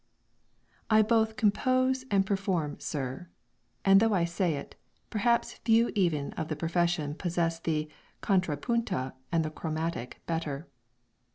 "I both compose and perform Sir: and though I say it, perhaps few even of the profession possess the contra punto and the chromatic better."